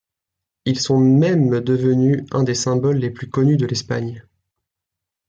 Ils sont même devenus un des symboles les plus connus de l'Espagne.